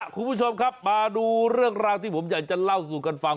คุณผู้ชมครับมาดูเรื่องราวที่ผมอยากจะเล่าสู่กันฟัง